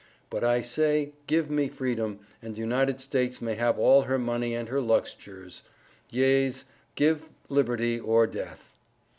But I say give me freedom, and the United States may have all her money and her Luxtures, yeas give Liberty or Death.